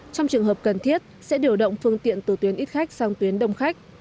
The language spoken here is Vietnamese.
trong trường hợp cần thiết sẽ điều động phương tiện từ tuyến ít khách sang tuyến đông khách